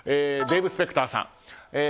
デーブ・スペクターさん。